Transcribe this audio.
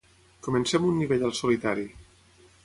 Comença'm un nivell al "Solitari".